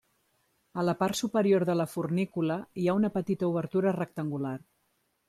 A la part superior de la fornícula hi ha una petita obertura rectangular.